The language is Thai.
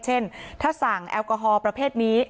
เช่นถ้าสั่งแอลกอฮอล์ประเภทนี้